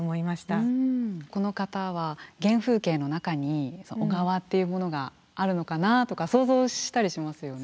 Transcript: この方は原風景の中に小川っていうものがあるのかなとか想像したりしますよね。